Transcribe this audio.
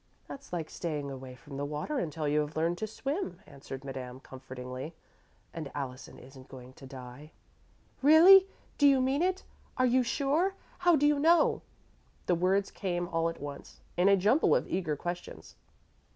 "That's like staying away from the water until you have learned to swim," answered Madame, comfortingly, "and Allison isn't going to die." "Really? Do you mean it? Are you sure? How do you know?" The words came all at once, in a jumble of eager questions.